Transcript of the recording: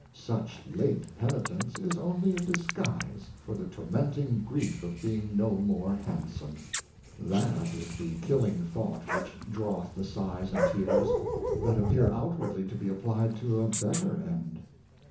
Such late penitence is only a disguise for the tormenting grief of being no more handsome. That is the killing thought which draweth the sighs and tears, that appear outwardly to be applied to a better end.